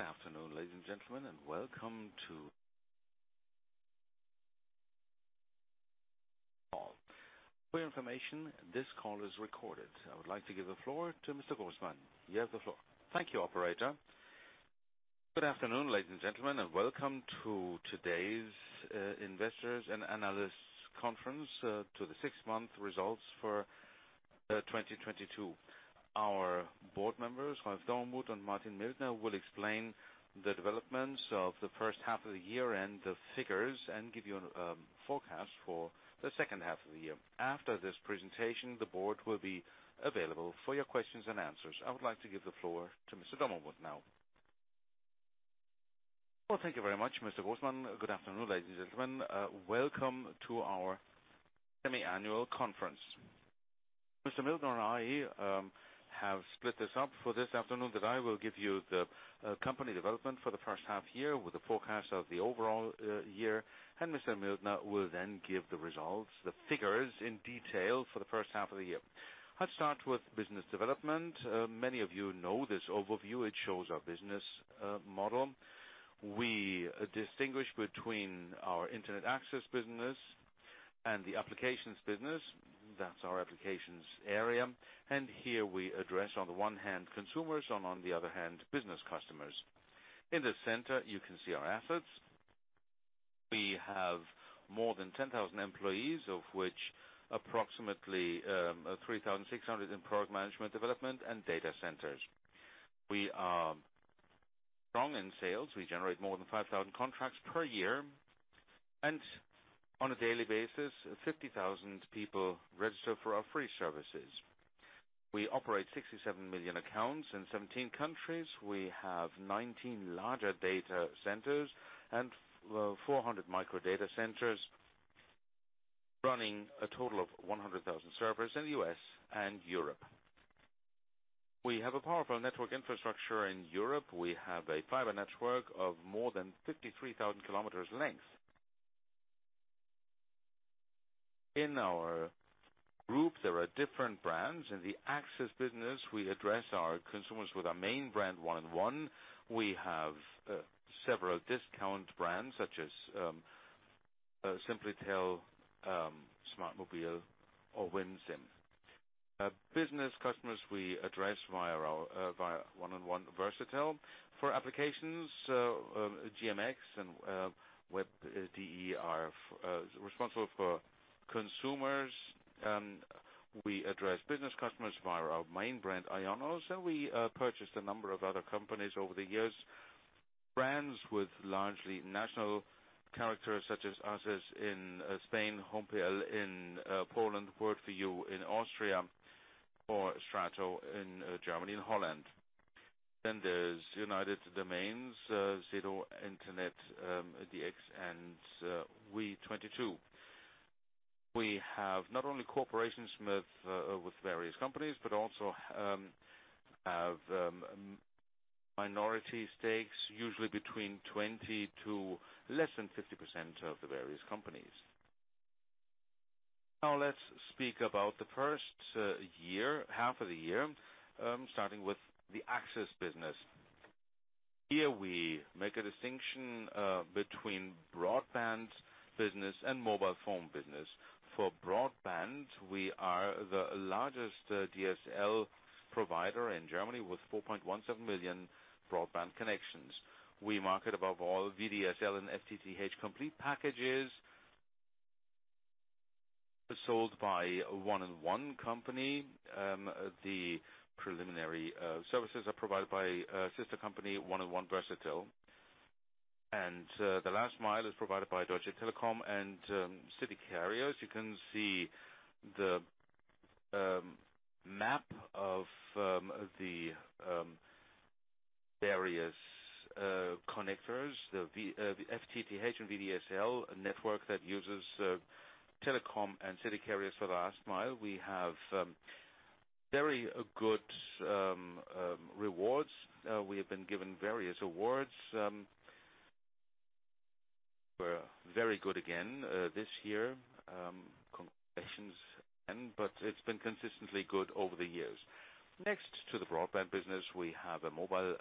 Good afternoon, ladies and gentlemen, and welcome to call. For your information, this call is recorded. I would like to give the floor to Mr. Grossman. You have the floor. Thank you, operator. Good afternoon, ladies and gentlemen, and welcome to today's investors' and analysts conference to the six-month results for 2022. Our board members, Ralph Dommermuth and Martin Mildner, will explain the developments of the first half of the year and the figures and give you a forecast for the second half of the year. After this presentation, the board will be available for your questions and answers. I would like to give the floor to Mr. Dommermuth now. Well, thank you very much, Mr. Grossman. Good afternoon, ladies and gentlemen. Welcome to our semi-annual conference. Mr. Mildner and I have split this up for this afternoon, that I will give you the company development for the first half year with the forecast of the overall year, and Mr. Mildner will then give the results, the figures in detail for the first half of the year. I'll start with business development. Many of you know this overview. It shows our business model. We distinguish between our Internet access business and the applications business. That's our applications area. Here we address, on the one hand, consumers and on the other hand, business customers. In the center, you can see our assets. We have more than 10,000 employees, of which approximately 3,600 in product management development and data centers. We are strong in sales. We generate more than 5,000 contracts per year. On a daily basis, 50,000 people register for our free services. We operate 67 million accounts in 17 countries. We have 19 larger data centers and 400 micro data centers running a total of 100,000 servers in the U.S. and Europe. We have a powerful network infrastructure in Europe. We have a fiber network of more than 53,000 km length. In our group, there are different brands. In the access business, we address our consumers with our main brand, 1&1. We have several discount brands such as simplytel, smartmobil.de or WinSIM. Business customers we address via our 1&1 Versatel. For applications, GMX and WEB.DE are responsible for consumers. We address business customers via our main brand, IONOS, and we purchased a number of other companies over the years. Brands with largely national characters such as Arsys in Spain, home.pl in Poland, world4you in Austria or STRATO in Germany and Holland. There's united-domains, [InterNetX] and we22. We have not only corporations with various companies, but also have minority stakes, usually between 20 to less than 50% of the various companies. Now let's speak about the first half of the year, starting with the access business. Here we make a distinction between broadband business and mobile phone business. For broadband, we are the largest DSL provider in Germany with 4.17 million broadband connections. We market above all VDSL and FTTH complete packages sold by 1&1 company. The preliminary services are provided by a sister company, 1&1 Versatel. The last mile is provided by Deutsche Telekom and city carriers. You can see the map of the various connectors, the FTTH and VDSL network that uses Telekom and city carriers for the last mile. We have very good ratings. We have been given various awards. We're very good again this year in competitions, but it's been consistently good over the years. Next to the broadband business, we have a mobile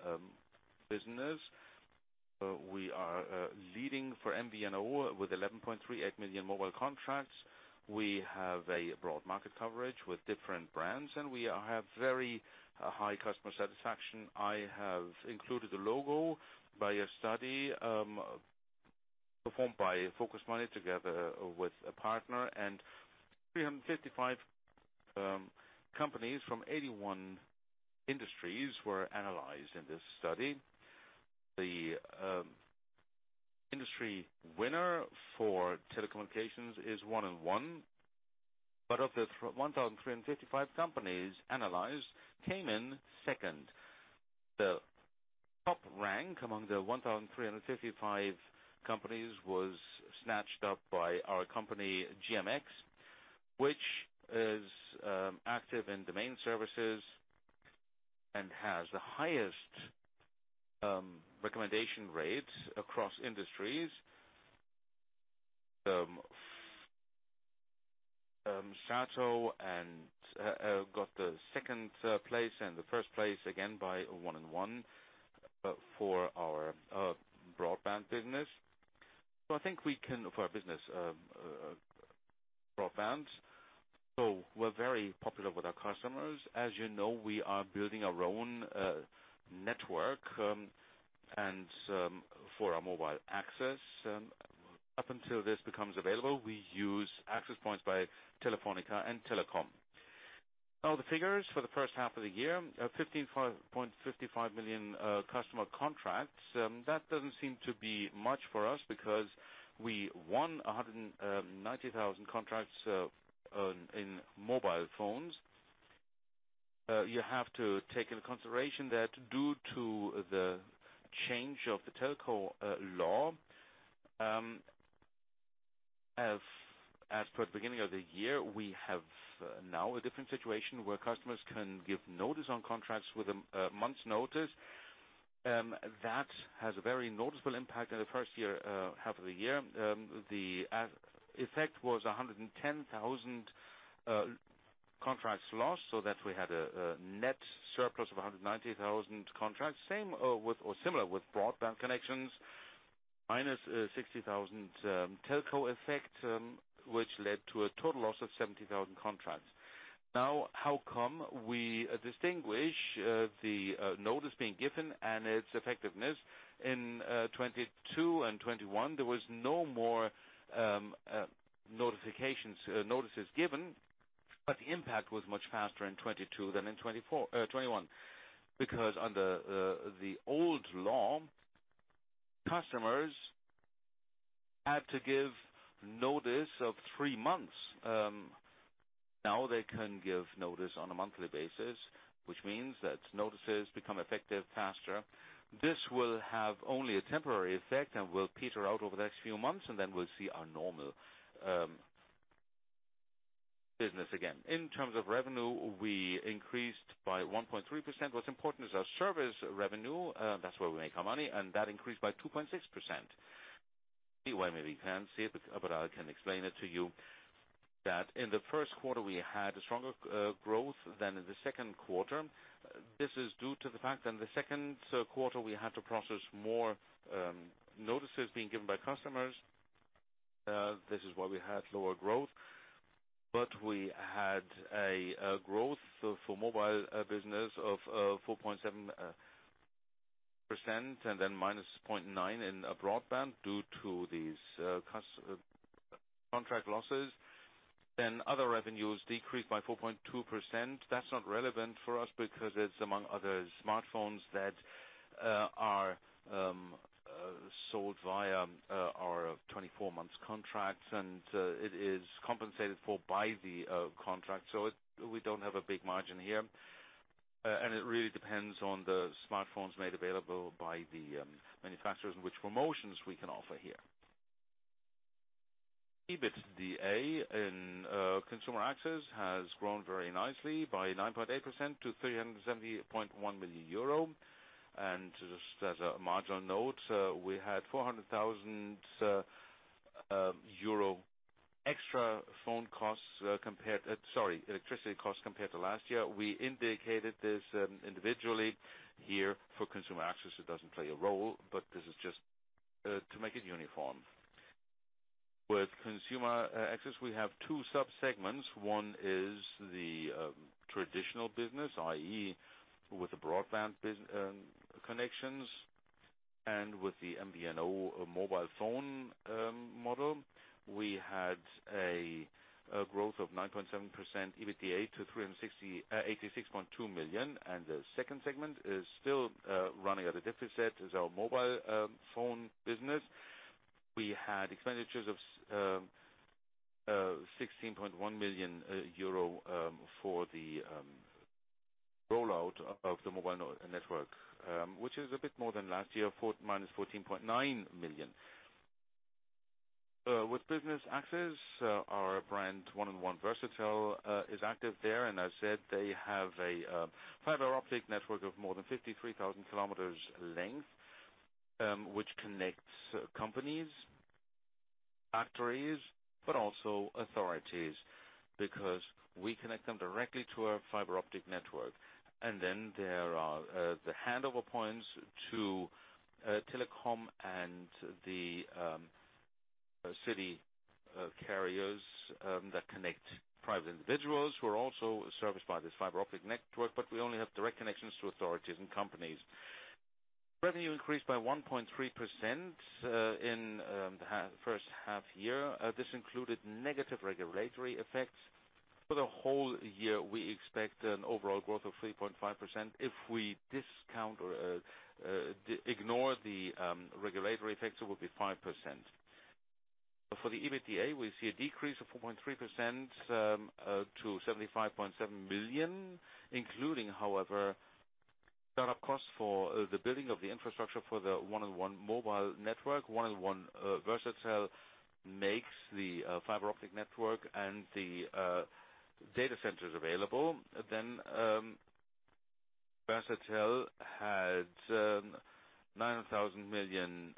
business. We are leading for MVNO with 11.38 million mobile contracts. We have a broad market coverage with different brands, and we have very high customer satisfaction. I have included a logo by a study performed by Focus Money together with a partner. 355 companies from 81 industries were analyzed in this study. The industry winner for telecommunications is 1&1. But the 1,355 companies analyzed came in second. The top rank among the 1,355 companies was snatched up by our company, GMX, which is active in domain services and has the highest recommendation rates across industries. STRATO and got the second place and the first place again by 1&1 for our broadband business. I think we can offer our broadband business. We're very popular with our customers. As you know, we are building our own network and for our mobile access. Up until this becomes available, we use access points by Telefónica and Telekom. Now, the figures for the first half of the year, 15.55 million customer contracts. That doesn't seem to be much for us because we won 190,000 contracts in mobile phones. You have to take into consideration that due to the change of the telco law, as per the beginning of the year, we have now a different situation where customers can give notice on contracts with a month's notice. That has a very noticeable impact in the first half of the year. The effect was 110,000 contracts lost, so that we had a net surplus of 190,000 contracts. Similar with broadband connections, minus 60,000 telco effect, which led to a total loss of 70,000 contracts. Now, how come we distinguish the notice being given and its effectiveness? In 2022 and 2021, there was no more notices given, but the impact was much faster in 2022 than in 2021. Because under the old law, customers had to give notice of three months. Now they can give notice on a monthly basis, which means that notices become effective faster. This will have only a temporary effect and will peter out over the next few months, and then we'll see our normal business again. In terms of revenue, we increased by 1.3%. What's important is our service revenue, that's where we make our money, and that increased by 2.6%. See why maybe you can't see it, but I can explain it to you. That in the first quarter we had a stronger growth than in the second quarter. This is due to the fact in the second quarter, we had to process more notices being given by customers. This is why we had lower growth. We had a growth for mobile business of 4.7% and then -0.9% in broadband due to these customer contract losses. Other revenues decreased by 4.2%. That's not relevant for us because it's among other smartphones that are sold via our 24 months contracts, and it is compensated for by the contract. We don't have a big margin here. It really depends on the smartphones made available by the manufacturers and which promotions we can offer here. EBITDA in consumer access has grown very nicely by 9.8% to 370.1 million euro. Just as a marginal note, we had 400,000 euro extra phone costs, electricity costs compared to last year. We indicated this individually here. For consumer access, it doesn't play a role, but this is just to make it uniform. With consumer access, we have two subsegments. One is the traditional business, i.e., with the broadband connections and with the MVNO mobile phone model. We had a growth of 9.7% EBITDA to 386.2 million. The second segment is still running at a deficit. It's our mobile phone business. We had expenditures of 16.1 million euro for the rollout of the mobile network, which is a bit more than last year minus 14.9 million. With business access, our brand 1&1 Versatel is active there. I said they have a fiber-optic network of more than 53,000 km length, which connects companies, factories, but also authorities, because we connect them directly to our fiber-optic network. There are the handover points to telecom and the city carriers that connect private individuals who are also serviced by this fiber optic network, but we only have direct connections to authorities and companies. Revenue increased by 1.3% in the first half year. This included negative regulatory effects. For the whole year, we expect an overall growth of 3.5%. If we discount or ignore the regulatory effects, it would be 5%. For the EBITDA, we see a decrease of 4.3% to 75.7 billion, including however, start-up costs for the building of the infrastructure for the 1&1 mobile network. 1&1 Versatel makes the fiber optic network and the data centers available. Versatel had 9 million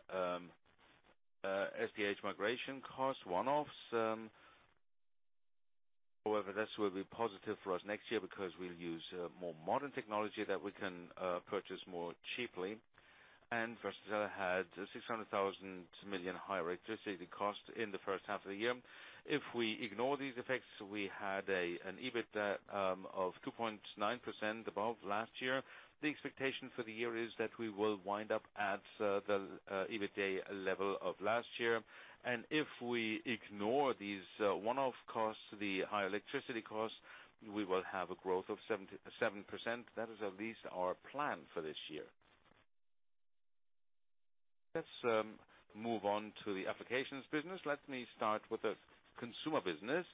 SDH migration cost one-offs. However, this will be positive for us next year because we'll use more modern technology that we can purchase more cheaply. Versatel had 600 million higher electricity costs in the first half of the year. If we ignore these effects, we had an EBITDA of 2.9% above last year. The expectation for the year is that we will wind up at the EBITDA level of last year. If we ignore these one-off costs, the high electricity costs, we will have a growth of 77%. That is at least our plan for this year. Let's move on to the applications business. Let me start with the consumer business.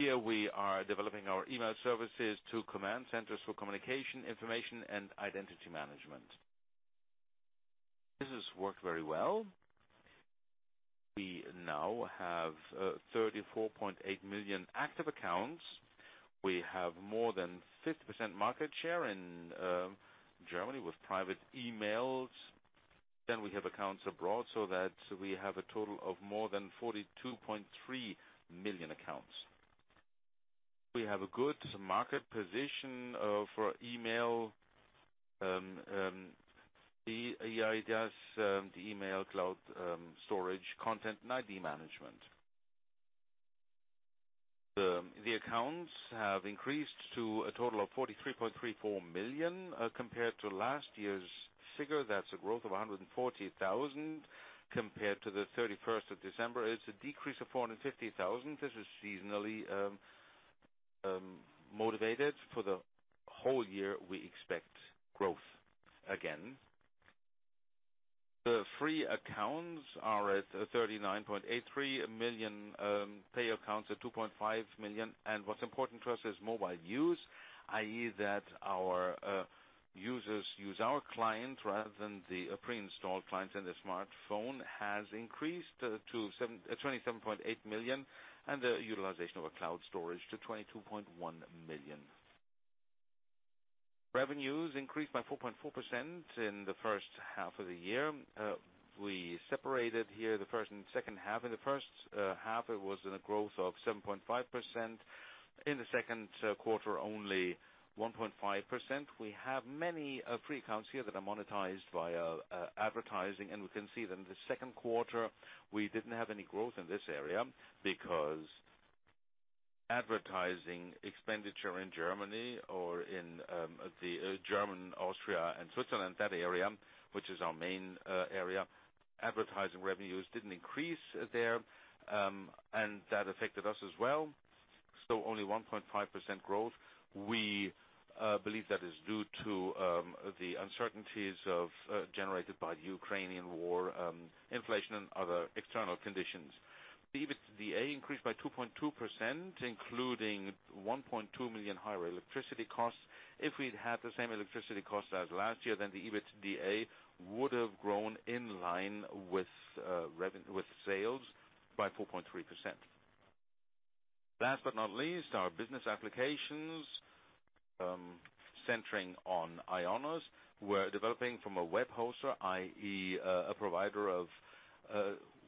Here we are developing our email services to command centers for communication, information and identity management. This has worked very well. We now have 34.8 million active accounts. We have more than 50% market share in Germany with private emails. We have accounts abroad so that we have a total of more than 42.3 million accounts. We have a good market position for email, the AI ideas, the email cloud, storage, content, and ID management. The accounts have increased to a total of 43.34 million compared to last year's figure. That's a growth of 140,000. Compared to the 31st of December, it's a decrease of 450,000. This is seasonally motivated. For the whole year, we expect growth again. The free accounts are at 39.83 million, pay accounts at 2.5 million. What's important for us is mobile use, i.e., that our users use our client rather than the pre-installed client, and the smartphone has increased to 27.8 million, and the utilization of a cloud storage to 22.1 million. Revenues increased by 4.4% in the first half of the year. We separated here the first and second half. In the first half, it was in a growth of 7.5%. In the second quarter, only 1.5%. We have many free accounts here that are monetized via advertising, and we can see that in the second quarter we didn't have any growth in this area because advertising expenditure in Germany, Austria and Switzerland, that area, which is our main area, advertising revenues didn't increase there, and that affected us as well. Only 1.5% growth. We believe that is due to the uncertainties generated by the Ukrainian War, inflation and other external conditions. The EBITDA increased by 2.2%, including 1.2 million higher electricity costs. If we'd had the same electricity costs as last year, then the EBITDA would have grown in line with sales by 4.3%. Last but not least, our business applications centering on IONOS. We're developing from a web hoster, i.e., a provider of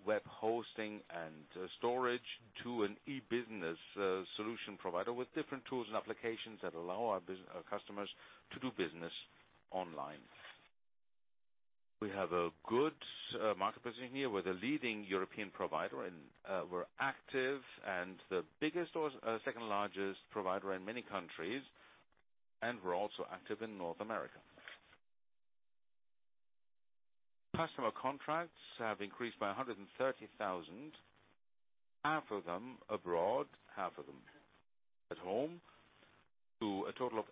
web hosting and storage, to an e-business solution provider with different tools and applications that allow our customers to do business online. We have a good market position here. We're the leading European provider, and we're active and the biggest or second largest provider in many countries, and we're also active in North America. Customer contracts have increased by 130,000, half of them abroad, half of them at home, to a total of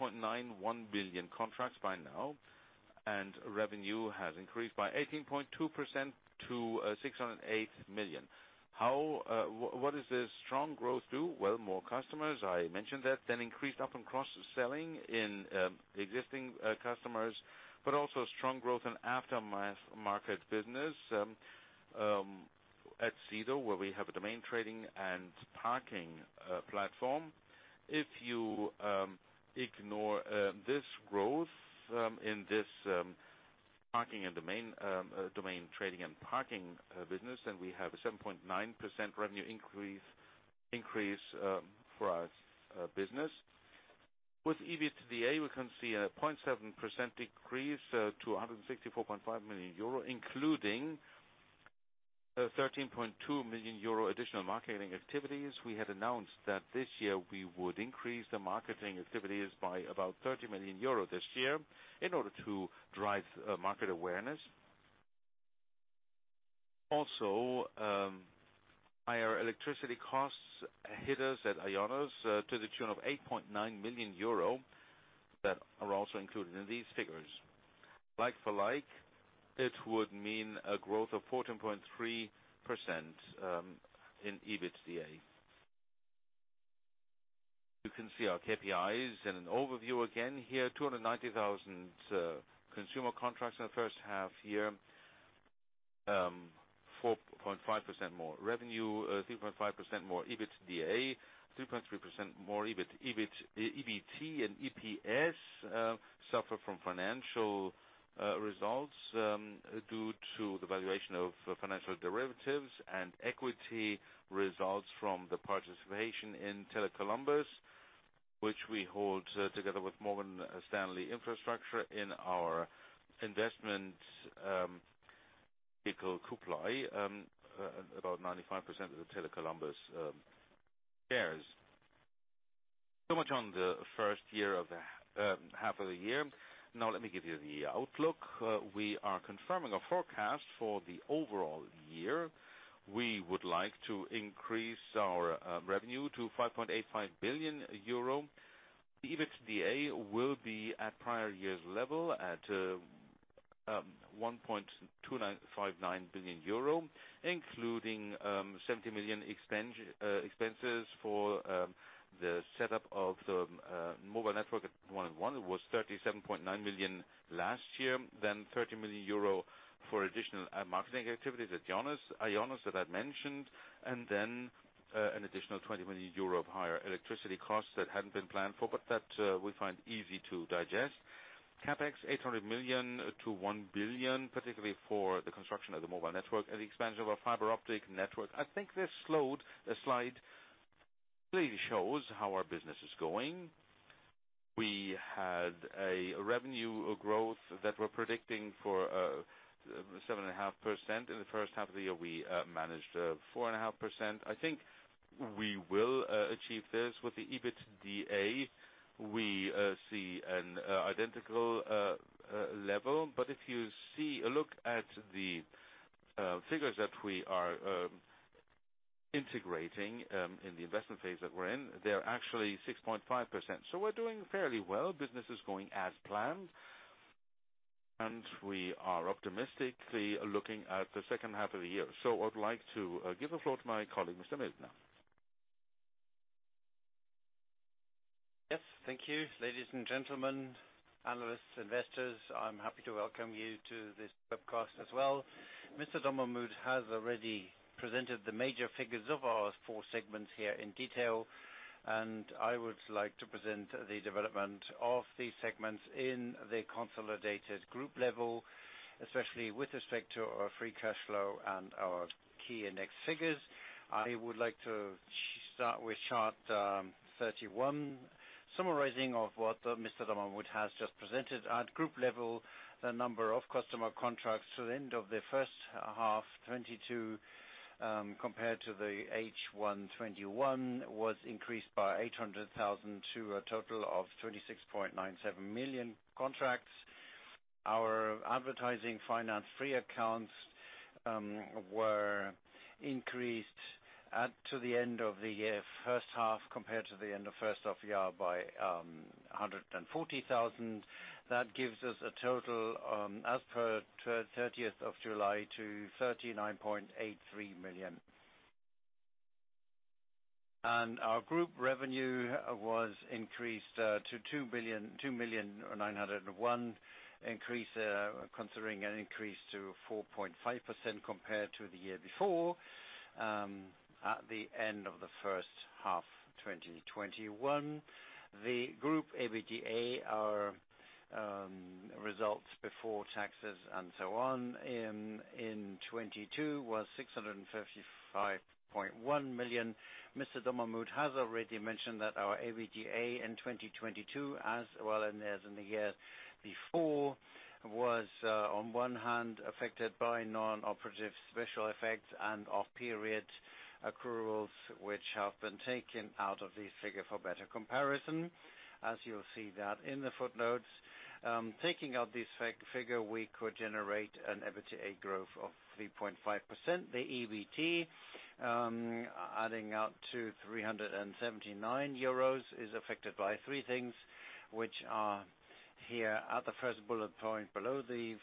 8.91 billion contracts by now. Revenue has increased by 18.2% to 608 million. What is this strong growth due? Well, more customers, I mentioned that. Increased up- and cross-selling in existing customers, but also strong growth in aftermarket business at Sedo, where we have a domain trading and parking platform. If you ignore this growth in this parking and domain trading and parking business, we have a 7.9% revenue increase for our business. With EBITDA, we can see a 0.7% decrease to 164.5 million euro, including 13.2 million euro additional marketing activities. We had announced that this year we would increase the marketing activities by about 30 million euro this year in order to drive market awareness. Higher electricity costs hit us at IONOS to the tune of 8.9 million euro that are also included in these figures. Like for like, it would mean a growth of 14.3% in EBITDA. You can see our KPIs in an overview again here. 290,000 consumer contracts in the first half year. 4.5% more revenue, 3.5% more EBITDA, 3.3% more EBIT. EBT and EPS suffer from financial results due to the valuation of financial derivatives and equity results from the participation in Tele Columbus, which we hold together with Morgan Stanley Infrastructure in our investment vehicle, Kublai. About 95% of the Tele Columbus shares. So much on the first half of the year. Now let me give you the outlook. We are confirming a forecast for the overall year. We would like to increase our revenue to 5.85 billion euro. The EBITDA will be at prior year's level at 1.2959 billion euro, including 70 million expenses for the setup of the mobile network at 1&1. It was 37.9 million last year. Then 30 million euro for additional marketing activities at IONOS that I'd mentioned, and then an additional 20 million euro of higher electricity costs that hadn't been planned for, but that we find easy to digest. CapEx, 800 million-1 billion, particularly for the construction of the mobile network and the expansion of our fiber-optic network. I think this slide really shows how our business is going. We had a revenue growth that we're predicting for 7.5%. In the first half of the year, we managed 4.5%. I think we will achieve this. With the EBITDA, we see an identical level. But if you take a look at the figures that we are integrating in the investment phase that we're in, they're actually 6.5%. We're doing fairly well. Business is going as planned, and we are optimistically looking at the second half of the year. I would like to give the floor to my colleague, Mr. Mildner. Yes. Thank you. Ladies and gentlemen, analysts, investors, I'm happy to welcome you to this webcast as well. Mr. Dommermuth has already presented the major figures of our four segments here in detail, and I would like to present the development of these segments in the consolidated group level, especially with respect to our free cash flow and our key index figures. I would like to start with chart 31, summarizing what Mr. Dommermuth has just presented. At group level, the number of customer contracts to the end of the first half 2022, compared to the H1 2021 was increased by 800,000 to a total of 26.97 million contracts. Our advertising-financed free accounts were increased to the end of the year, first half, compared to the end of first half of the year by 140,000. That gives us a total as per 30th of July to 39.83 million. Our group revenue was increased to 2,901 million. Increase considering an increase to 4.5% compared to the year before at the end of the first half, 2021. The group EBITDA are results before taxes and so on. In 2022 was 655.1 million. Mr. Dommermuth has already mentioned that our EBITDA in 2022 as well as in the years before was on one hand affected by non-operating special effects and off-period accruals, which have been taken out of the figure for better comparison. As you'll see that in the footnotes. Taking out this figure, we could generate an EBITDA growth of 3.5%. The EBT adding up to 379 euros is affected by three things, which are here at the first bullet point below the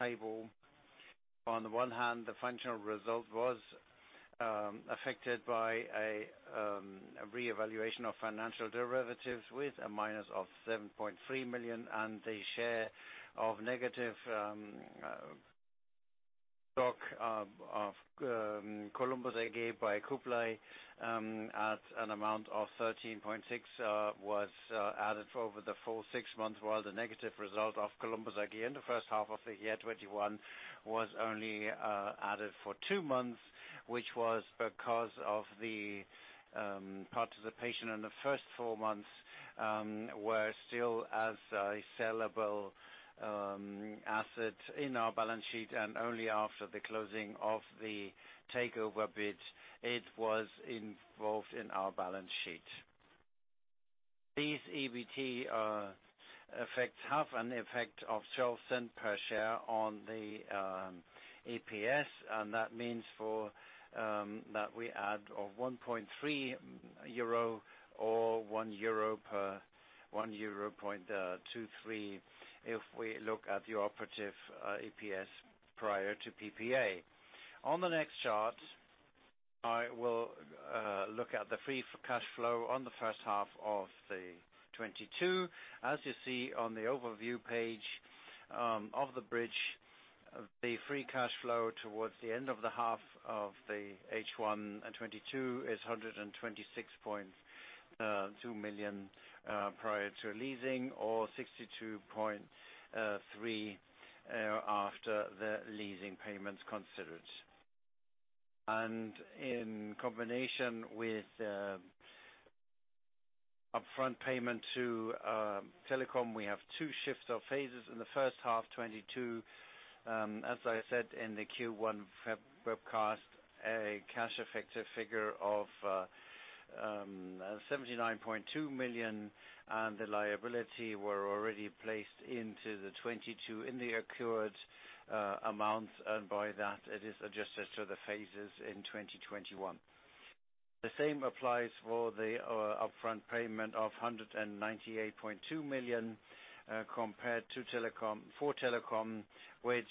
table. On one hand, the financial result was affected by a revaluation of financial derivatives with a minus of 7.3 million, and a share of negative stock of Tele Columbus AG by Kublai at an amount of 13.6 million was added over the full six months. While the negative result of Tele Columbus AG in the first half of the year 2021 was only added for two months, which was because of the participation in the first four months were still as a sellable asset in our balance sheet, and only after the closing of the takeover bid it was involved in our balance sheet. These EBT effects have an effect of 0.12 per share on the EPS, and that means that we add 1.3 euro or 1.23 euro if we look at the operative EPS prior to PPA. On the next chart I will look at the free cash flow on the first half of 2022. As you see on the overview page of the bridge, the free cash flow towards the end of the half of the H1 in 2022 is 126.2 million prior to leasing or 62.3 million after the leasing payments considered. In combination with upfront payment to Deutsche Telekom, we have two shifts of phases in the first half 2022. As I said in the Q1 webcast, a cash effective figure of 79.2 million, and the liability were already placed into the 2022 in the accrued amounts, and by that, it is adjusted to the phases in 2021. The same applies for the upfront payment of 198.2 million, compared to Telecom, which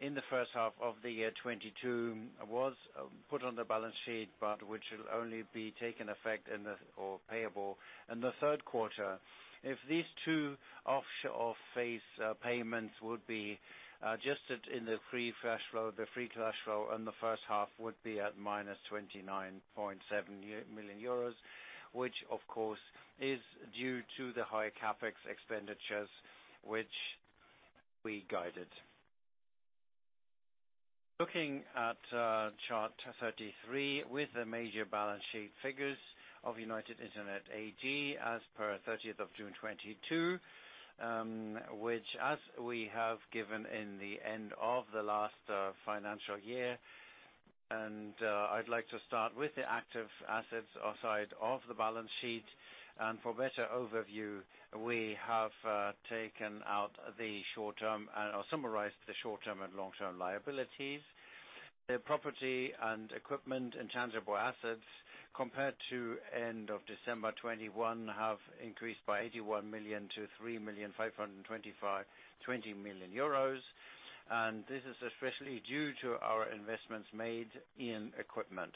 in the first half of 2022 was put on the balance sheet, but which will only take effect or payable in the third quarter. If these two off-balance sheet payments would be adjusted in the free cash flow, the free cash flow in the first half would be at minus 29.7 million euros, which of course is due to the high CapEx expenditures, which we guided. Looking at chart 33 with the major balance sheet figures of United Internet AG as per 30 June 2022, which as we have given in the end of the last financial year, I'd like to start with the active assets outside of the balance sheet. For better overview, we have taken out the short-term or summarized the short-term and long-term liabilities. The property and equipment and tangible assets, compared to end of December 2021, have increased by 81 million to 3,525 million, and this is especially due to our investments made in equipment.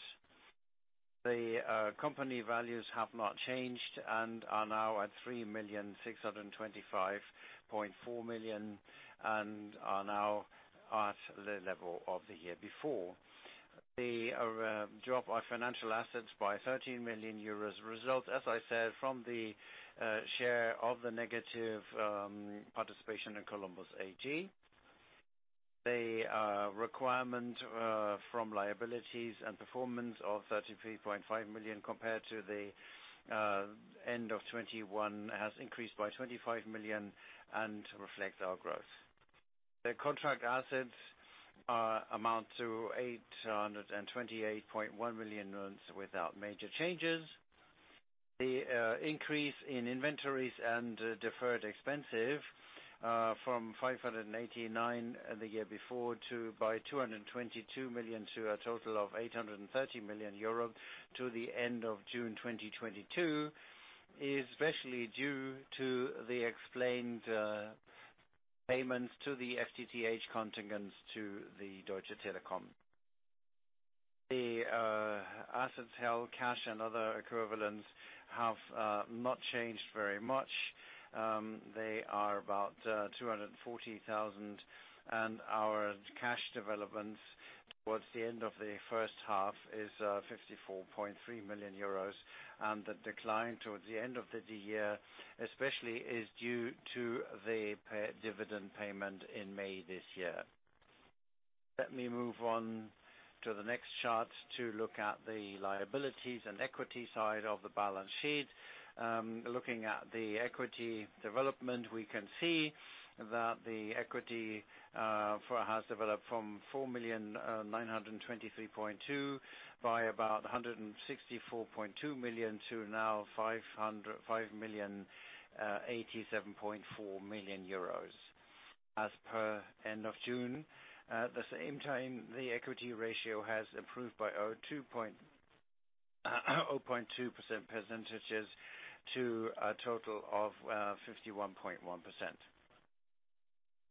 The company values have not changed and are now at 3,000,625.4 million and are now at the level of the year before. The drop of financial assets by 13 million euros result, as I said, from the share of the negative participation in Tele Columbus AG. The requirement from liabilities and performance of 33.5 million compared to the end of 2021 has increased by 25 million and reflects our growth. The contract assets amount to 828.1 million without major changes. The increase in inventories and deferred expenses from 589 the year before by 222 million to a Total of 830 million euros to the end of June 2022 is especially due to the explained payments to the FTTH connections to the Deutsche Telekom. The cash and cash equivalents have not changed very much. They are about 240 thousand, and our cash development toward the end of the first half is 54.3 million euros. The decline toward the end of the year especially is due to the dividend payment in May this year. Let me move on to the next chart to look at the liabilities and equity side of the balance sheet. Looking at the equity development, we can see that the equity has developed from 4,923.2 million by about 164.2 million to now 5,087.4 million as per end of June. At the same time, the equity ratio has improved by 0.2 percentage points to a total of 51.1%.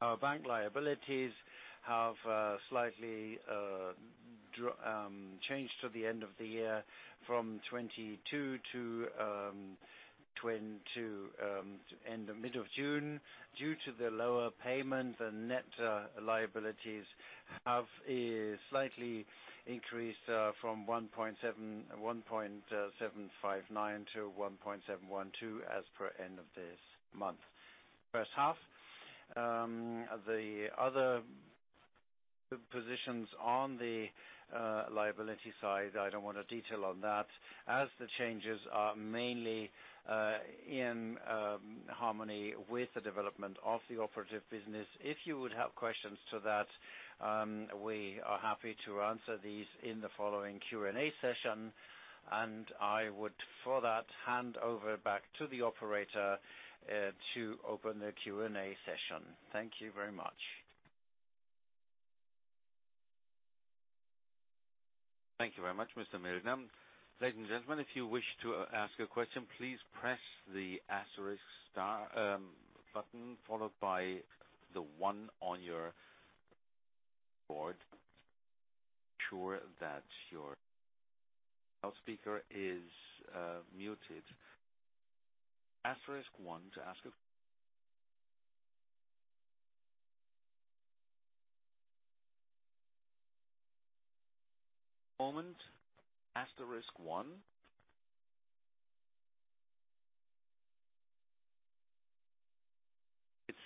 Our bank liabilities have slightly changed from the end of the year from 2022 to end of mid June. Due to the lower payment, the net liabilities have slightly increased from 1.759 to 1.712 as per end of this month. First half, the other positions on the liability side, I don't want to detail on that, as the changes are mainly in harmony with the development of the operative business. If you would have questions to that, we are happy to answer these in the following Q&A session, and I would, for that, hand over back to the operator to open the Q&A session. Thank you very much. Thank you very much, Mr. Mildner. Ladies and gentlemen, if you wish to ask a question, please press the asterisk star button followed by the one on your board. Make sure that your speaker is muted. Asterisk one to ask. Moment. Asterisk one.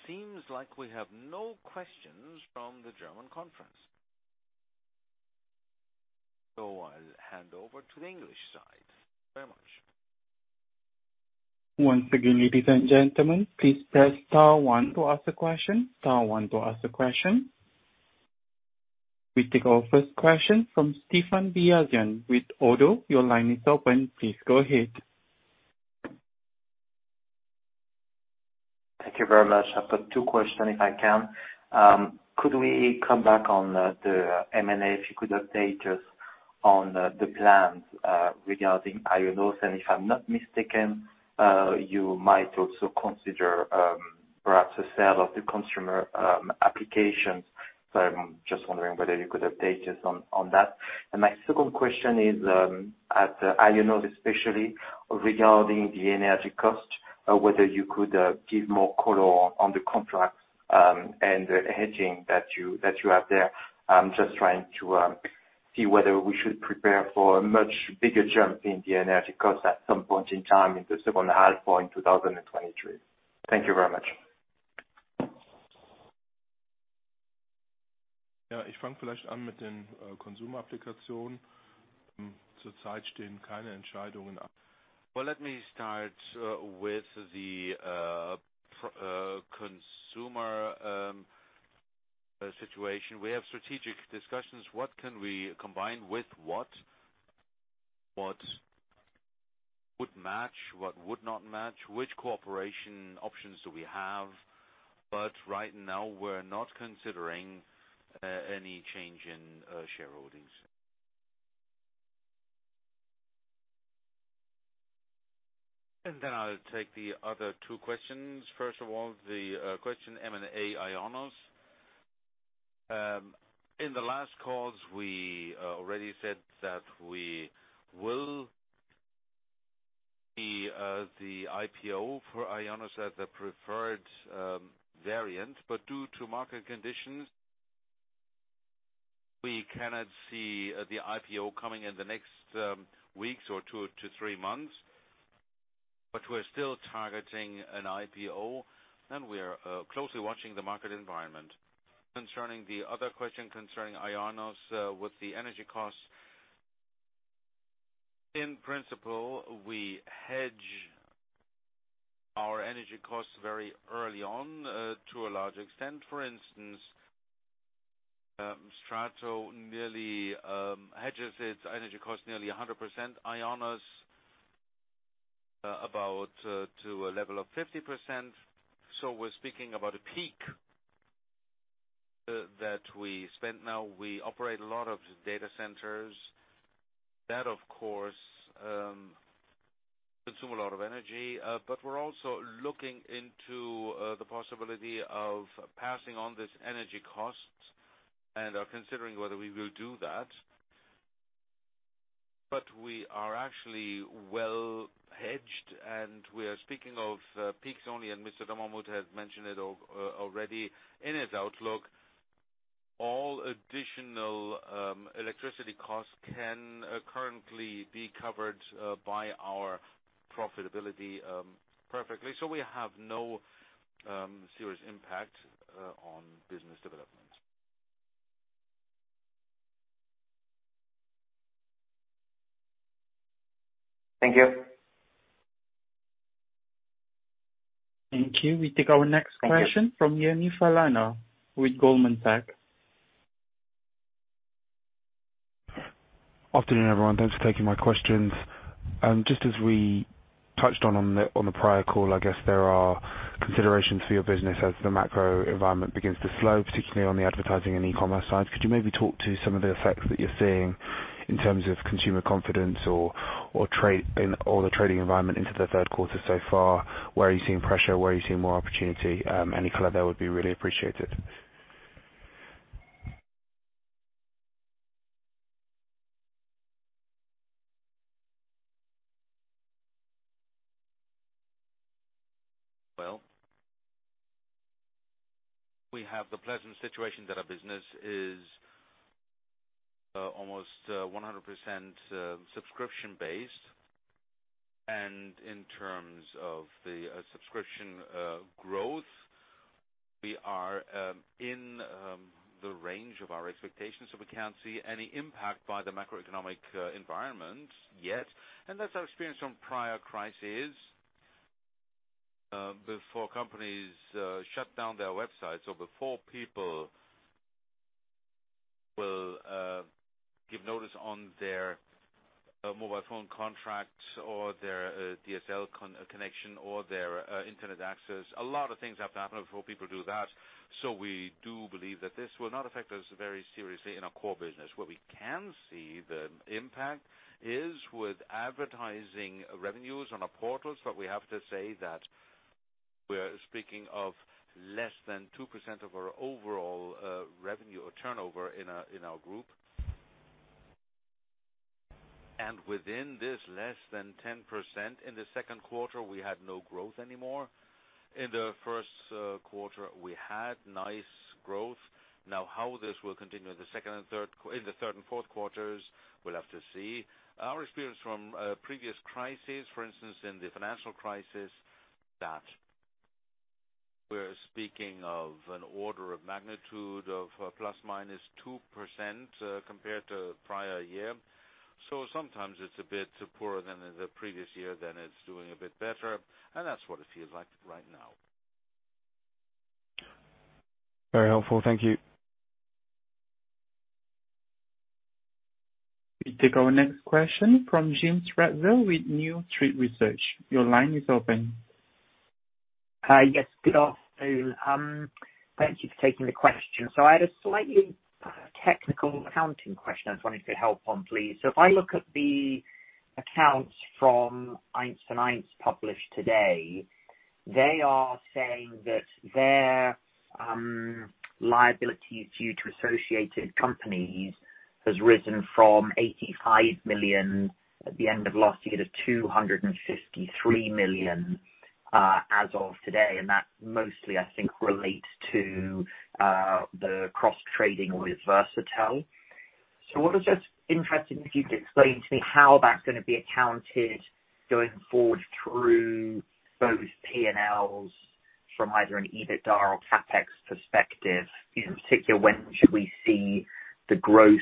It seems like we have no questions from the German conference. I'll hand over to the English side. Very much. Once again, ladies and gentlemen, please press star one to ask a question. Star one to ask a question. We take our first question from Stéphane Beyazian with ODDO. Your line is open. Please go ahead. Thank you very much. I've got two question if I can. Could we come back on the M&A? If you could update us on the plans regarding IONOS, and if I'm not mistaken, you might also consider perhaps a sale of the consumer applications. I'm just wondering whether you could update us on that. My second question is at IONOS especially regarding the energy cost whether you could give more color on the contract and the hedging that you have there. I'm just trying to see whether we should prepare for a much bigger jump in the energy cost at some point in time in the second half or in 2023. Thank you very much. Yeah. Well, let me start with the consumer situation. We have strategic discussions. What can we combine with what? What would match? What would not match? Which cooperation options do we have? Right now we're not considering any change in shareholdings. Then I'll take the other two questions. First of all, the question M&A IONOS. In the last calls we already said that we will be the IPO for IONOS as the preferred variant. Due to market conditions, we cannot see the IPO coming in the next weeks or two to three months. We're still targeting an IPO, and we are closely watching the market environment. Concerning the other question concerning IONOS with the energy costs. In principle, we hedge our energy costs very early on to a large extent. For instance, STRATO nearly hedges its energy costs nearly 100%, IONOS about to a level of 50%. We're speaking about a peak that we spend now. We operate a lot of data centers that of course consume a lot of energy. We're also looking into the possibility of passing on this energy costs and are considering whether we will do that. We are actually well hedged, and we are speaking of peaks only, and Mr. Dommermuth has mentioned it already in his outlook. All additional electricity costs can currently be covered by our profitability perfectly. We have no serious impact on business development. Thank you. Thank you. We take our next question. Thank you. From Yemi Falana with Goldman Sachs. Afternoon, everyone. Thanks for taking my questions. Just as we touched on the prior call, I guess there are considerations for your business as the macro environment begins to slow, particularly on the advertising and e-commerce side. Could you maybe talk to some of the effects that you're seeing in terms of consumer confidence or the trading environment into the third quarter so far? Where are you seeing pressure? Where are you seeing more opportunity? Any color there would be really appreciated. Well, we have the pleasant situation that our business is almost 100% subscription-based. In terms of the subscription growth, we are in the range of our expectations, so we can't see any impact by the macroeconomic environment yet. That's our experience from prior crises before companies shut down their websites or before people will give notice on their mobile phone contracts or their DSL connection or their internet access. A lot of things have to happen before people do that. We do believe that this will not affect us very seriously in our core business. Where we can see the impact is with advertising revenues on our portals, but we have to say that we're speaking of less than 2% of our overall revenue or turnover in our group. Within this less than 10% in the second quarter, we had no growth anymore. In the first quarter we had nice growth. Now how this will continue in the third and fourth quarters, we'll have to see. Our experience from previous crises, for instance, in the financial crisis, that we're speaking of an order of magnitude of ±2%, compared to prior year. Sometimes it's a bit poorer than the previous year, then it's doing a bit better, and that's what it feels like right now. Very helpful. Thank you. We take our next question from James Ratcliffe with New Street Research. Your line is open. Hi. Yes, good afternoon. Thank you for taking the question. I had a slightly technical accounting question I was wondering if you could help on, please. If I look at the accounts from 1&1 published today, they are saying that their liabilities due to associated companies has risen from 85 million at the end of last year to 253 million as of today. That mostly, I think, relates to the cross-trading with Versatel. I was just interested if you could explain to me how that's gonna be accounted going forward through those P&Ls from either an EBITDA or CapEx perspective. In particular, when should we see the growth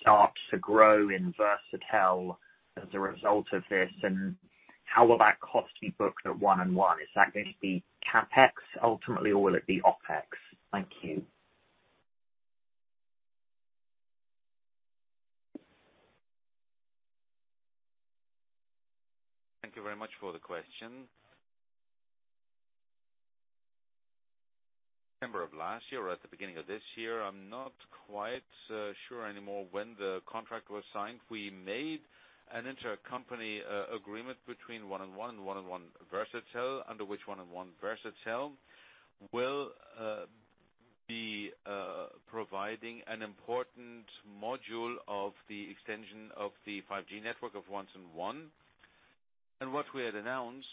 start to grow in Versatel as a result of this? And how will that cost be booked at 1&1? Is that going to be CapEx ultimately or will it be OpEx? Thank you. Thank you very much for the question. September of last year or at the beginning of this year, I'm not quite sure anymore when the contract was signed. We made an intercompany agreement between 1&1&1 Versatel, under which 1&1 Versatel will be providing an important module of the extension of the 5G network of 1&1. What we had announced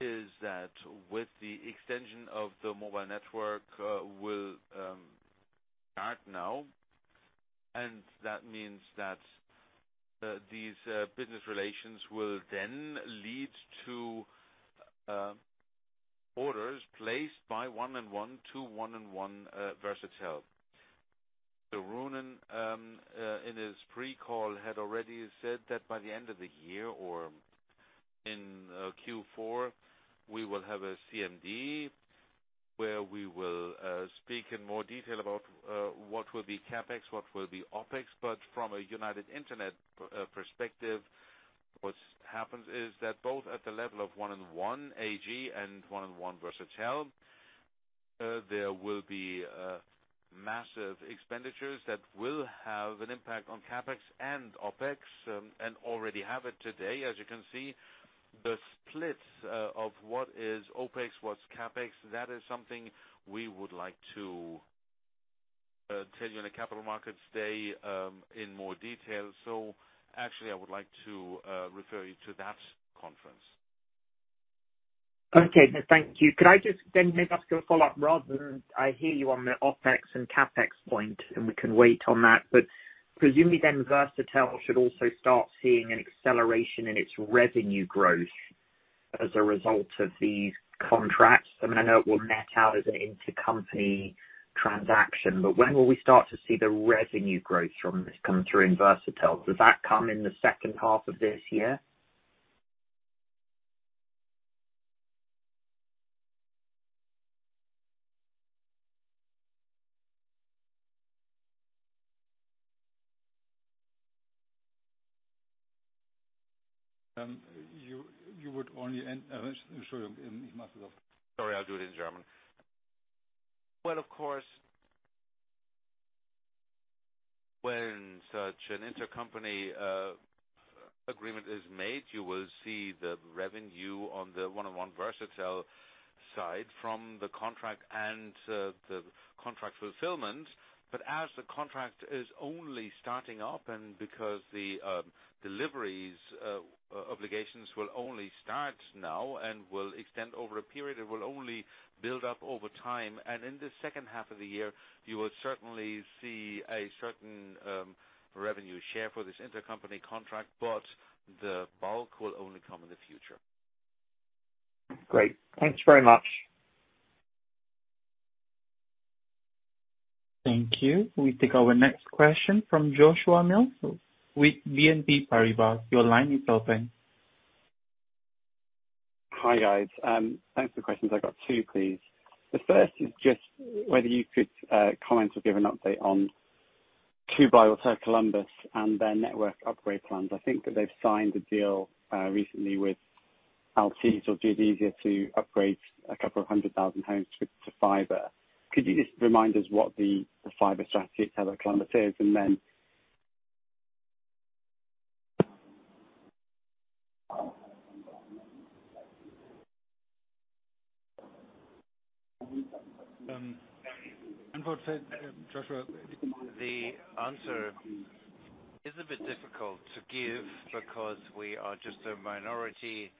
is that with the extension of the mobile network will start now. That means that these business relations will then lead to orders placed by 1&1 to 1&1 Versatel. Ralf Hartings in his pre-call had already said that by the end of the year or in Q4, we will have a CMD where we will speak in more detail about what will be CapEx, what will be OpEx. From a United Internet perspective, what happens is that both at the level of 1&1 AG and 1&1 Versatel, there will be massive expenditures that will have an impact on CapEx and OpEx, and already have it today. As you can see, the split of what is OpEx, what's CapEx, that is something we would like to tell you in the Capital Markets Day in more detail. Actually I would like to refer you to that conference. Okay. No. Thank you. Could I just then maybe ask you a follow-up rather than I hear you on the OpEx and CapEx point, and we can wait on that. Presumably then Versatel should also start seeing an acceleration in its revenue growth as a result of these contracts. I mean, I know it will net out as an intercompany transaction, but when will we start to see the revenue growth from this come through in Versatel? Does that come in the second half of this year? Sorry, I'll do it in German. Well, of course, when such an intercompany agreement is made, you will see the revenue on the 1&1 Versatel side from the contract and the contract fulfillment. As the contract is only starting up and because the deliveries obligations will only start now and will extend over a period, it will only build up over time. In the second half of the year, you will certainly see a certain revenue share for this intercompany contract, but the bulk will only come in the future. Great. Thanks very much. Thank you. We take our next question from Joshua Mills with BNP Paribas. Your line is open. Hi, guys. Thanks for the questions. I've got two, please. The first is just whether you could comment or give an update on Kublai or Tele Columbus and their network upgrade plans. I think that they've signed a deal recently with Altice or Geodesia to upgrade [200,000] homes to fiber. Could you just remind us what the fiber strategy at Tele Columbus is? As said, Joshua, the answer is a bit difficult to give because we are just a minority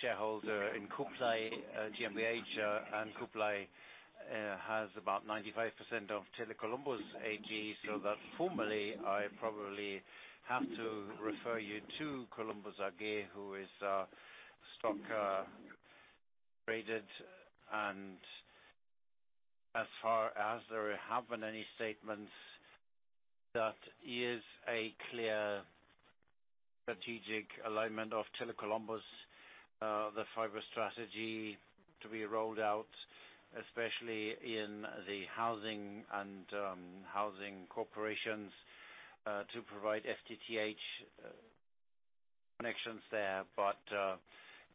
shareholder in Kublai GmbH, and Kublai has about 95% of Tele Columbus AG. That formally, I probably have to refer you to Tele Columbus AG, who is stock rated. As far as there haven't any statements, that is a clear strategic alignment of Tele Columbus the fiber strategy to be rolled out, especially in the housing and housing corporations to provide FTTH connections there.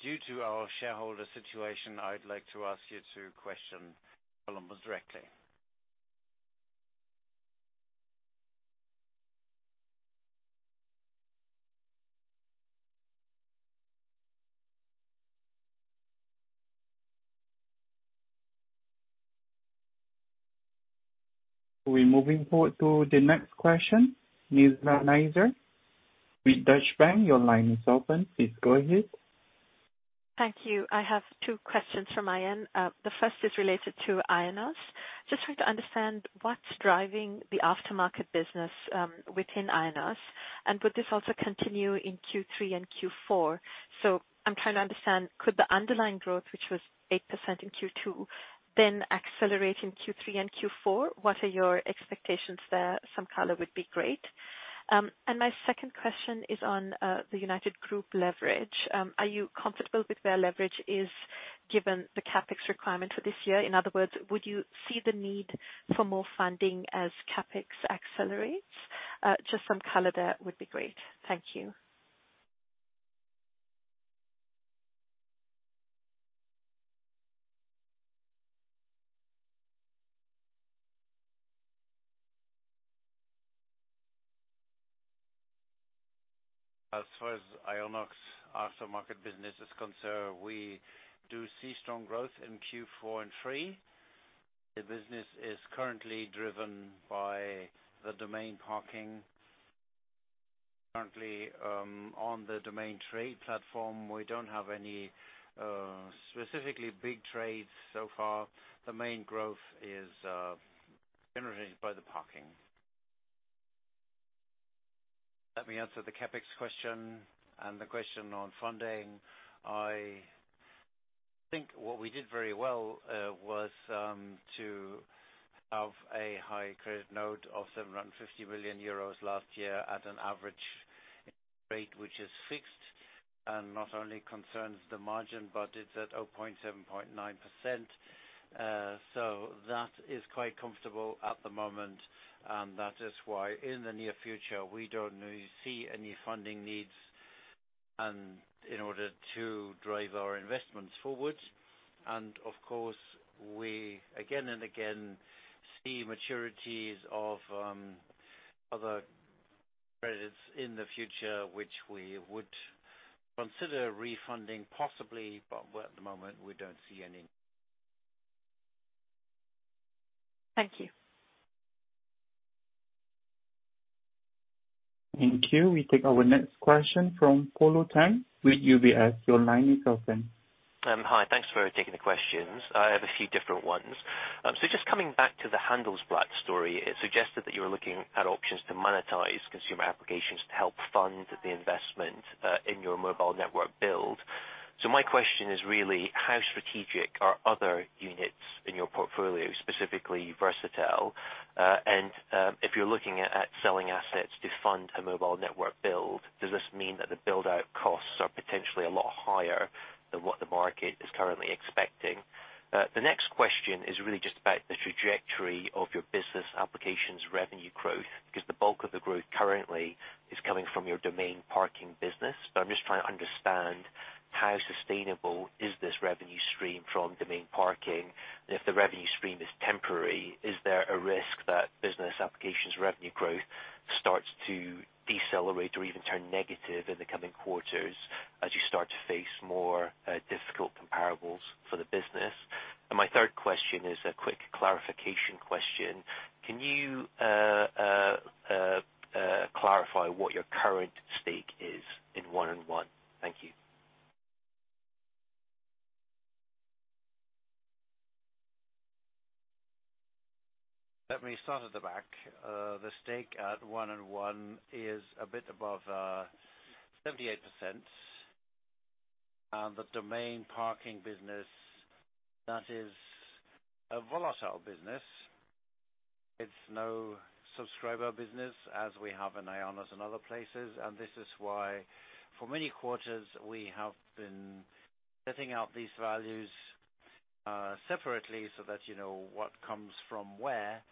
Due to our shareholder situation, I'd like to ask you to question Tele Columbus directly. We're moving forward to the next question. Nizla Naizer, with Deutsche Bank, your line is open. Please go ahead. Thank you. I have two questions from my end. The first is related to IONOS. Just trying to understand what's driving the aftermarket business within IONOS. Would this also continue in Q3 and Q4? I'm trying to understand, could the underlying growth, which was 8% in Q2, then accelerate in Q3 and Q4? What are your expectations there? Some color would be great. My second question is on the United Group leverage. Are you comfortable with where leverage is given the CapEx requirement for this year? In other words, would you see the need for more funding as CapEx accelerates? Just some color there would be great. Thank you. As far as IONOS after market business is concerned, we do see strong growth in Q4 and Q3. The business is currently driven by the domain parking. Currently, on the domain trade platform, we don't have any specifically big trades so far. The main growth is generated by the parking. Let me answer the CapEx question and the question on funding. I think what we did very well was to have a high credit note of 750 million euros last year at an average rate, which is fixed and not only concerns the margin, but it's at 0.79%. So that is quite comfortable at the moment, and that is why, in the near future, we don't really see any funding needs and in order to drive our investments forward. Of course, we, again and again, see maturities of other credits in the future, which we would consider refunding possibly. At the moment, we don't see any. Thank you. Thank you. We take our next question from Polo Tang with UBS. Your line is open. Hi. Thanks for taking the questions. I have a few different ones. Just coming back to the Handelsblatt story, it suggested that you were looking at options to monetize consumer applications to help fund the investment in your mobile network build. My question is really how strategic are other units in your portfolio, specifically Versatel? If you're looking at selling assets to fund a mobile network build, does this mean that the build-out costs are potentially a lot higher than what the market is currently expecting? The next question is really just about the trajectory of your business applications revenue growth, because the bulk of the growth currently is coming from your domain parking business. I'm just trying to understand how sustainable is this revenue stream from domain parking? If the revenue stream is temporary, is there a risk that business applications revenue growth starts to decelerate or even turn negative in the coming quarters as you start to face more, difficult comparables for the business? My third question is a quick clarification question. Can you clarify what your current stake is in 1&1? Thank you. Let me start at the back. The stake at 1&1 is a bit above 78%. The domain parking business, that is a volatile business. It's no subscriber business as we have in IONOS and other places. This is why, for many quarters, we have been setting out these values separately so that you know what comes from where.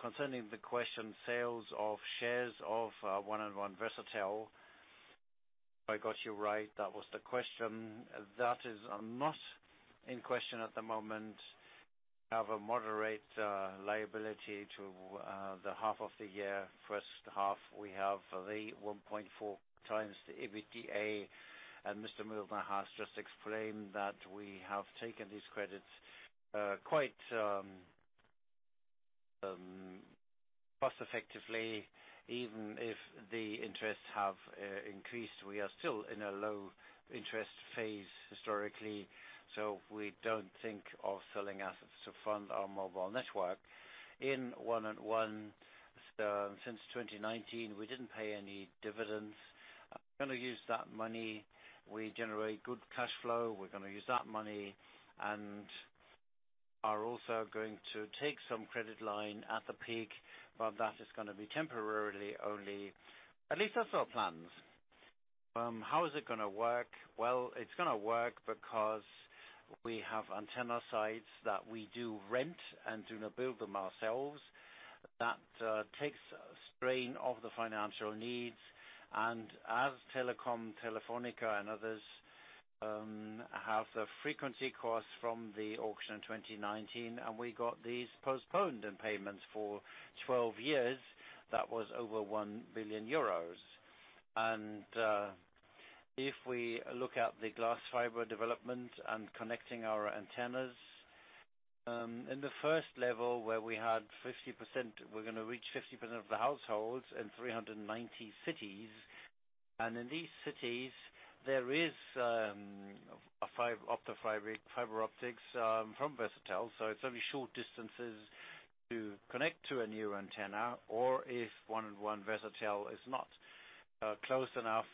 Concerning the question, sales of shares of 1&1 Versatel. I got you right. That was the question. That is not in question at the moment. We have a moderate leverage through the first half of the year. First half, we have the 1.4x the EBITDA. Mr. Mildner has just explained that we have taken these credits quite cost-effectively. Even if the interests have increased, we are still in a low interest phase historically, so we don't think of selling assets to fund our mobile network. In 1&1 since 2019, we didn't pay any dividends. We're gonna use that money. We generate good cash flow. We're gonna use that money and are also going to take some credit line at the peak, but that is gonna be temporarily only. At least that's our plans. How is it gonna work? Well, it's gonna work because we have antenna sites that we do rent and do not build them ourselves. That takes a strain of the financial needs. As Telekom, Telefónica, and others have the frequency costs from the auction in 2019, and we got these postponed in payments for 12 years. That was over 1 billion euros. If we look at the glass fiber development and connecting our antennas, in the first level, where we had 50%, we're gonna reach 50% of the households in 390 cities. In these cities there is fiber optics from 1&1 Versatel, so it's only short distances to connect to a new antenna, or if 1&1 Versatel is not close enough,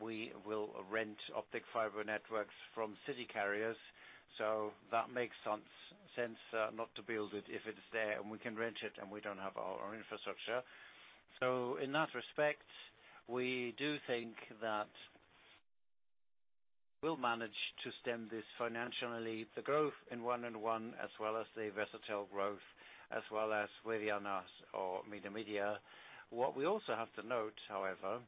we will rent optic fiber networks from city carriers. That makes sense, not to build it if it's there and we can rent it and we don't have our own infrastructure. In that respect, we do think that we'll manage to fund this financially, the growth in 1&1 as well as the 1&1 Versatel growth as well as with IONOS or United Internet Media. What we also have to note, however,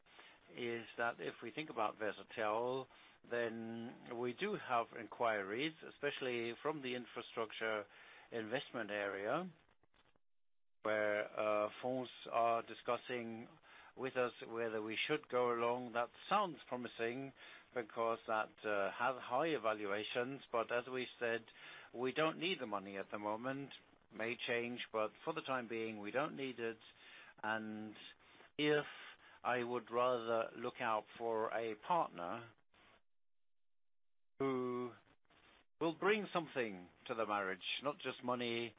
is that if we think about Versatel, then we do have inquiries, especially from the infrastructure investment area, where funds are discussing with us whether we should go along. That sounds promising because that have higher valuations. As we said, we don't need the money at the moment. May change, but for the time being, we don't need it. If I would rather look out for a partner who will bring something to the marriage, not just money,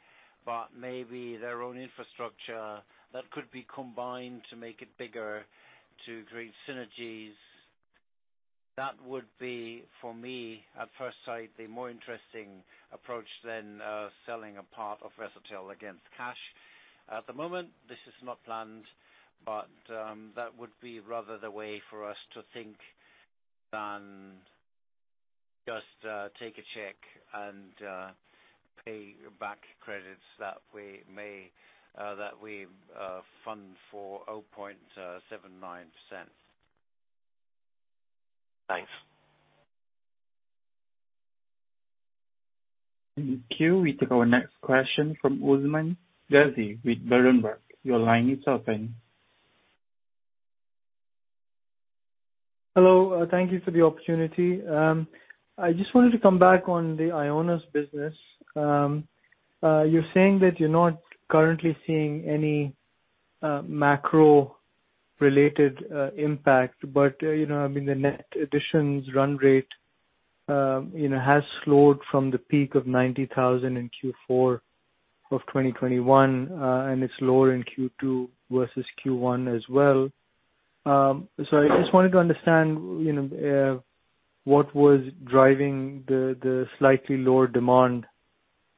but maybe their own infrastructure that could be combined to make it bigger, to create synergies, that would be, for me, at first sight, the more interesting approach than selling a part of Versatel against cash. At the moment, this is not planned, but that would be rather the way for us to think than just take a check and pay back credits that we fund for 0.79%. Thanks. Thank you. We take our next question from Usman Ghazi with Berenberg. Your line is open. Hello. Thank you for the opportunity. I just wanted to come back on the IONOS business. You're saying that you're not currently seeing any macro-related impact, but you know, I mean, the net additions run rate, you know, has slowed from the peak of 90,000 in Q4 of 2021, and it's lower in Q2 versus Q1 as well. I just wanted to understand, you know, what was driving the slightly lower demand,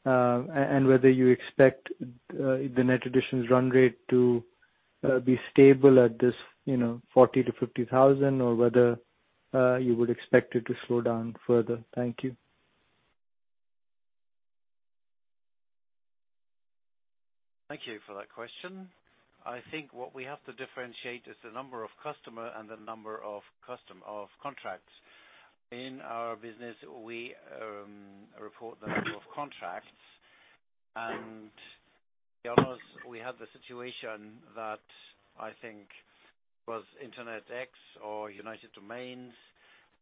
and whether you expect the net additions run rate to be stable at this, you know, 40,000-50,000, or whether you would expect it to slow down further. Thank you. Thank you for that question. I think what we have to differentiate is the number of customers and the number of contracts. In our business, we report the number of contracts. In IONOS we had the situation that I think was InterNetX or united-domains,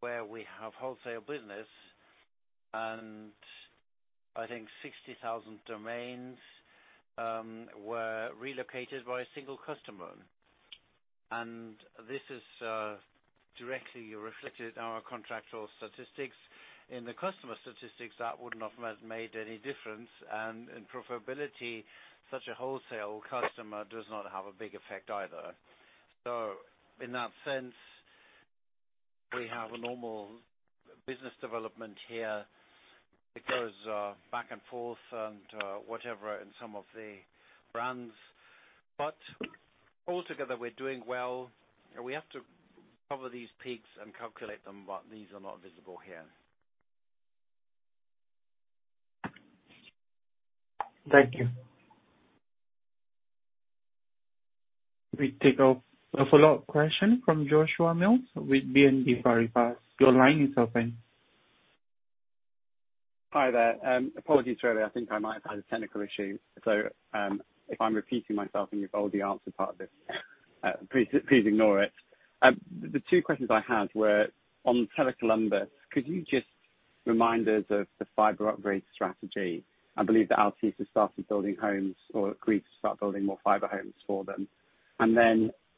where we have wholesale business, and I think 60,000 domains were relocated by a single customer. This is directly reflected in our contractual statistics. In the customer statistics, that would not have made any difference. In profitability, such a wholesale customer does not have a big effect either. In that sense, we have a normal business development here. It goes back and forth and whatever in some of the brands. Altogether, we're doing well. We have to cover these peaks and calculate them, but these are not visible here. Thank you. We take a follow-up question from Joshua Mills with BNP Paribas. Your line is open. Hi there. Apologies earlier. I think I might have had a technical issue. If I'm repeating myself and you've rolled the answer part of this, please ignore it. The two questions I had were on Tele Columbus. Could you just remind us of the fiber upgrade strategy? I believe that Altice has started building homes or agreed to start building more fiber homes for them.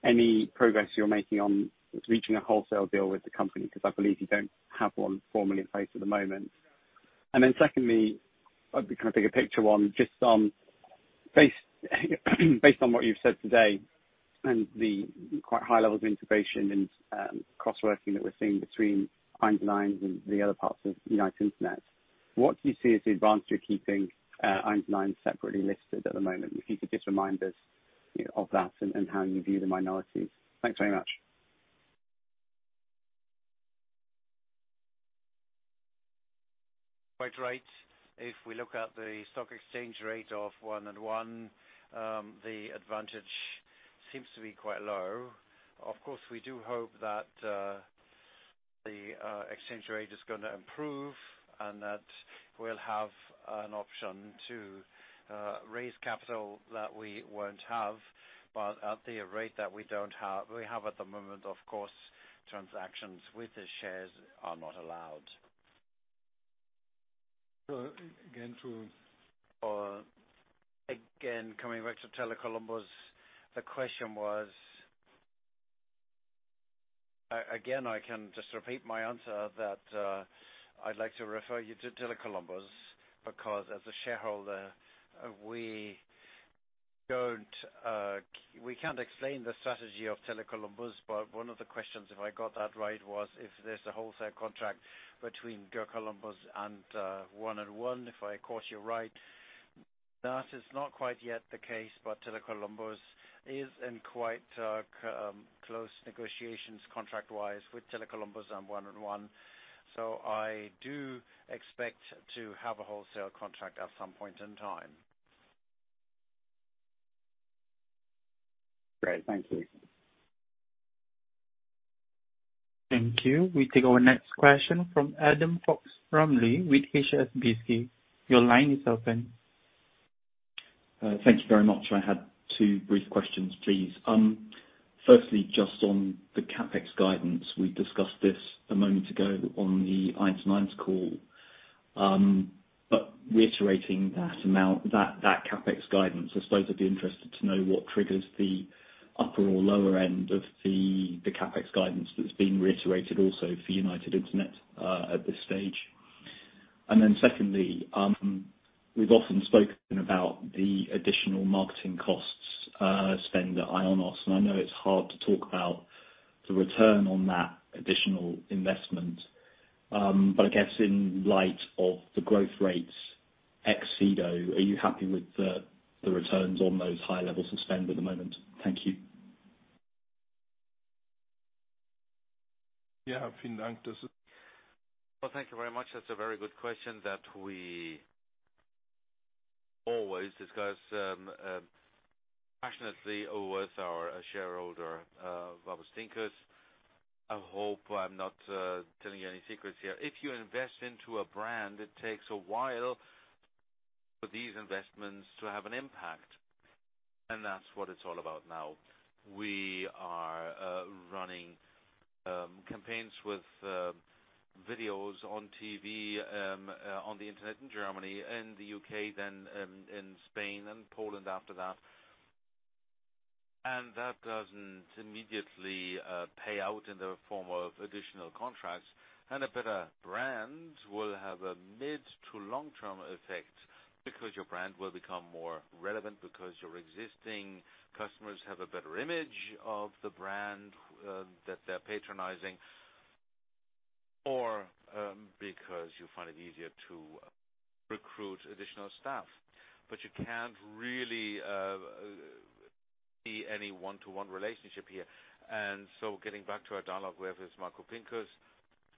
Any progress you're making on reaching a wholesale deal with the company, 'cause I believe you don't have one formally in place at the moment. Secondly, a kind of bigger picture one, just based on what you've said today and the quite high levels of integration and cross working that we're seeing between United Internet and the other parts of United Internet. What do you see as the advantage of keeping United Internet separately listed at the moment? If you could just remind us of that and how you view the minorities. Thanks very much. Quite right. If we look at the stock exchange rate of 1&1, the advantage seems to be quite low. Of course, we do hope that the exchange rate is gonna improve and that we'll have an option to raise capital that we won't have. At the rate that we have at the moment, of course, transactions with the shares are not allowed. Coming back to Tele Columbus, the question was. Again, I can just repeat my answer that, I'd like to refer you to Tele Columbus, because as a shareholder, we don't, we can't explain the strategy of Tele Columbus. But one of the questions, if I got that right, was if there's a wholesale contract between Tele Columbus and 1&1, if I caught you right. That is not quite yet the case, but Tele Columbus is in quite close negotiations contract wise with Tele Columbus and 1&1. I do expect to have a wholesale contract at some point in time. Great. Thank you. Thank you. We take our next question from Adam Fox-Rumley with HSBC. Your line is open. Thank you very much. I had two brief questions, please. Firstly, just on the CapEx guidance. We discussed this a moment ago on the United Internet call. But reiterating that amount, that CapEx guidance, I suppose I'd be interested to know what triggers the upper or lower end of the CapEx guidance that's being reiterated also for United Internet at this stage. Secondly, we've often spoken about the additional marketing costs spend at IONOS, and I know it's hard to talk about the return on that additional investment. But I guess in light of the growth rates ex-Sedo, are you happy with the returns on those high levels of spend at the moment? Thank you. Yeah. Well, thank you very much. That's a very good question that we always discuss passionately with our shareholder, Markus Huhn. I hope I'm not telling you any secrets here. If you invest into a brand, it takes a while for these investments to have an impact, and that's what it's all about now. We are running campaigns with videos on TV on the internet in Germany and the U.K., then in Spain and Poland after that. That doesn't immediately pay out in the form of additional contracts. A better brand will have a mid to long-term effect because your brand will become more relevant, because your existing customers have a better image of the brand that they're patronizing, or because you find it easier to recruit additional staff. You can't really see any one-to-one relationship here. Getting back to our dialogue with Markus Huhn.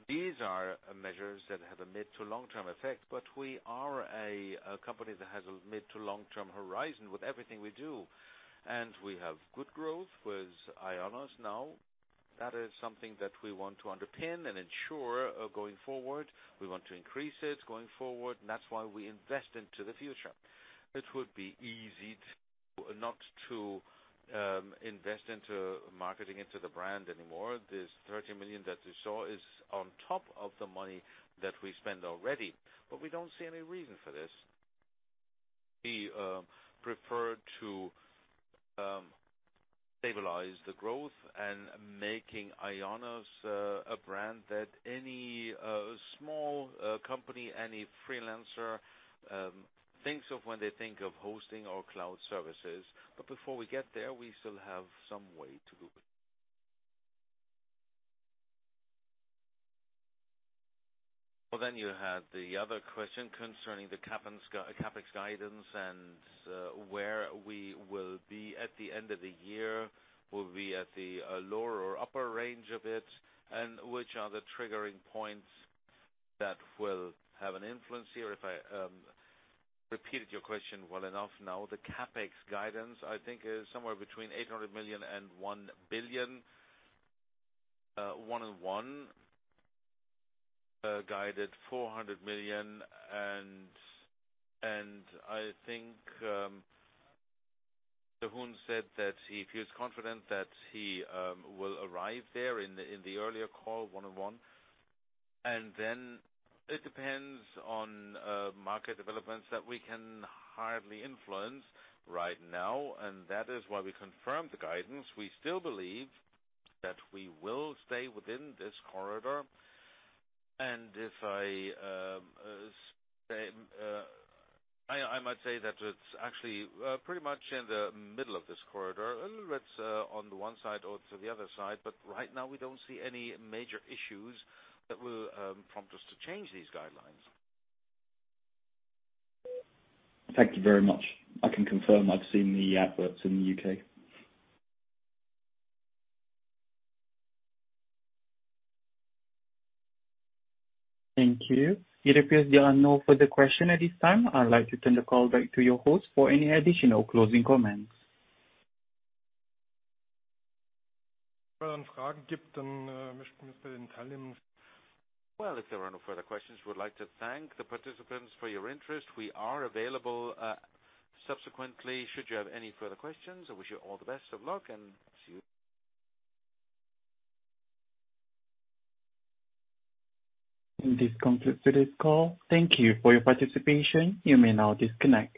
These are measures that have a mid to long-term effect. We are a company that has a mid to long-term horizon with everything we do, and we have good growth with IONOS now. That is something that we want to underpin and ensure going forward. We want to increase it going forward. That's why we invest into the future. It would be easy not to invest into marketing, into the brand anymore. This 30 million that you saw is on top of the money that we spend already. We don't see any reason for this. We prefer to stabilize the growth and making IONOS a brand that any small company, any freelancer, thinks of when they think of hosting or cloud services. Before we get there, we still have some way to go. Well, you had the other question concerning the CapEx guidance and where we will be at the end of the year. Will be at the lower or upper range of it, and which are the triggering points that will have an influence here. If I repeated your question well enough. Now, the CapEx guidance, I think, is somewhere between 800 million and 1 billion. 1&1 guided 400 million. I think Ralf Hartings said that he will arrive there in the earlier call, 1&1. Then it depends on market developments that we can hardly influence right now. That is why we confirmed the guidance. We still believe that we will stay within this corridor. If I say, I might say that it's actually pretty much in the middle of this corridor. A little bit on the one side or to the other side. But right now, we don't see any major issues that will prompt us to change this guidance. Thank you very much. I can confirm I've seen the adverts in the U.K. Thank you. it appears there are no further questions at this time. I'd like to turn the call back to your host for any additional closing comments. Well, if there are no further questions, we would like to thank the participants for your interest. We are available, subsequently, should you have any further questions. I wish you all the best of luck and see you. This concludes today's call. Thank you for your participation. You may now disconnect.